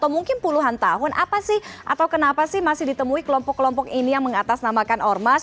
mungkin puluhan tahun apa sih atau kenapa sih masih ditemui kelompok kelompok ini yang mengatasnamakan ormas